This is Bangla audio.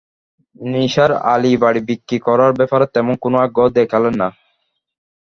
নিসার আলি বাড়ি বিক্রি করার ব্যাপারে তেমন কোনো আগ্রহ দেখালেন না।